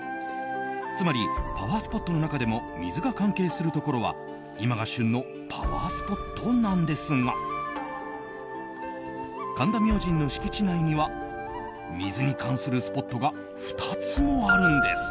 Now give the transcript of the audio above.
つまりパワースポットの中でも水が関係するところは今が旬のパワースポットなんですが神田明神の敷地内には水に関するスポットが２つもあるんです。